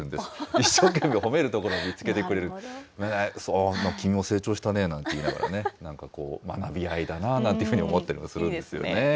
一生懸命褒めるところを見つけてくれる、君も成長したねなんて言いながら、なんかこう、学び合いだななんていいですね。